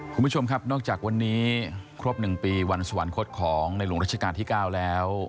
คุณผู้ชมครับนอกจากวันนี้ครบ๑ปีวันสวรรคตของในหลวงรัชกาลที่๙แล้ว